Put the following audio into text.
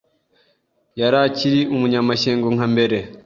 Yari akiri umunyamashyengo nkambere